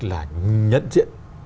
là nhận diễn